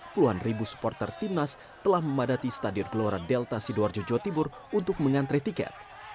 puluhan ribu supporter timnas telah memadati stadion gelora delta sidoarjo jawa timur untuk mengantre tiket